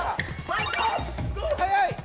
速い！